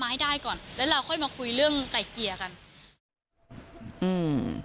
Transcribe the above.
ให้ได้ก่อนแล้วเราค่อยมาคุยเรื่องไก่เกลี่ยกันอืม